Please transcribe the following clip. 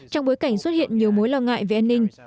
trong bối cảnh xuất hiện nhiều mối lo ngại về an ninh